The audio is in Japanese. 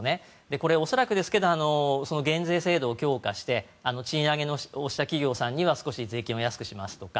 これ、恐らくですが減税制度を強化して賃上げをした企業さんには少し税金を安くしますとか